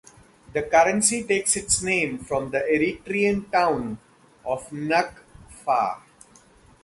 The currency takes its name from the Eritrean town of Nakfa.